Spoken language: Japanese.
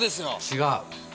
違う。